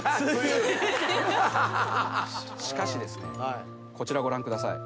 しかしこちらご覧ください。